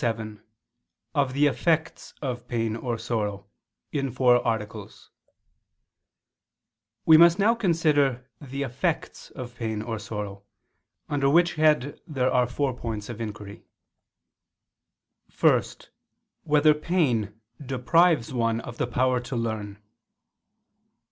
________________________ QUESTION 37 OF THE EFFECTS OF PAIN OR SORROW (In Four Articles) We must now consider the effects of pain or of sorrow: under which head there are four points of inquiry: (1) Whether pain deprives one of the power to learn?